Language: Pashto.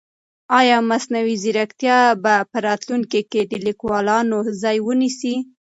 آیا مصنوعي ځیرکتیا به په راتلونکي کې د لیکوالانو ځای ونیسي؟